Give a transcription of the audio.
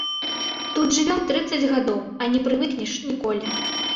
Тут жывём, трыццаць гадоў, а не прывыкнеш, ніколі.